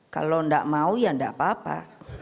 kalau gak mau ya gak apa apa